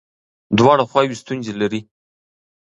دواړه خواوې ستونزې لري.